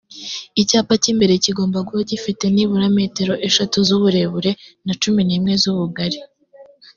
icyapa cy imbere kigomba kuba gifite nibura metero eshatu zuburebure na cumi nimwe z ubugari